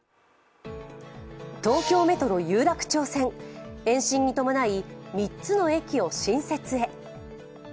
東京メトロ有楽町線、延伸に伴い、３つの駅を新設へ。